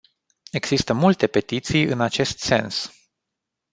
Există multe petiții în acest sens.